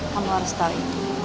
kamu harus tahu ini